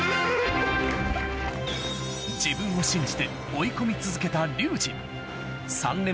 自分を信じて追い込み続けた龍心